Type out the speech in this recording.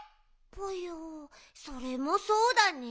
ぽよそれもそうだね。